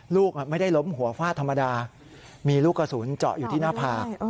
ลูกไม่ได้ล้มหัวฟาดธรรมดามีลูกกระสุนเจาะอยู่ที่หน้าผาก